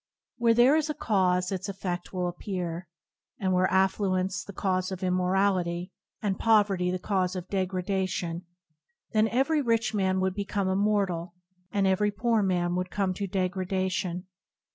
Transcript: Where there is a cause its effedt will appear, and were affluence the cause of immorality, and pov erty the cause of degradation, then every rich man would become immoral and every poor man would come to degradation.